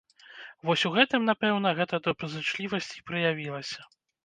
Вось у гэтым, напэўна, гэта добразычлівасць і праявілася.